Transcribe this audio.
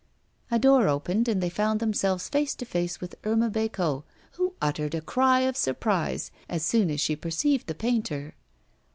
A door opened and they found themselves face to face with Irma Bécot, who uttered a cry of surprise as soon as she perceived the painter.